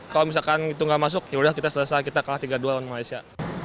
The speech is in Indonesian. kalau misalkan itu nggak masuk yaudah kita selesai kita kalah tiga dua lawan malaysia